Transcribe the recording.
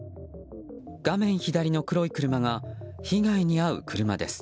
画面左の黒い車が被害に遭う車です。